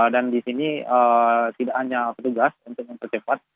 di sini tidak hanya petugas untuk mempercepat